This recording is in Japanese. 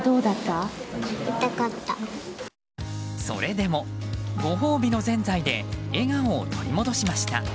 それでも、ご褒美のぜんざいで笑顔を取り戻しました。